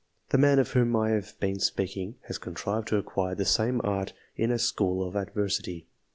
The man of whom I have been speaking has contrived to acquire the same art in a school of adversity.